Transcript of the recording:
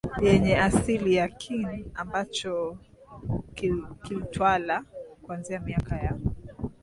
Yenye asili ya Qin ambacho kiltwala kuanzia miaka ya